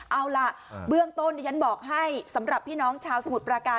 เอาล่ะเบื้องต้นที่ฉันบอกให้สำหรับพี่น้องชาวสมุทรปราการ